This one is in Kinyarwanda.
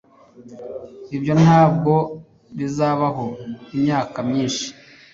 Ibyo ntabwo bizabaho imyaka myinshi